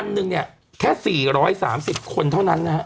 วันหนึ่งแค่สี่ร้อยสามสิบคนเท่านั้นนะฮะ